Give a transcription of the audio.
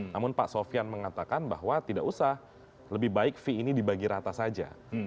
namun pak sofian mengatakan bahwa tidak usah lebih baik fee ini dibagi rata saja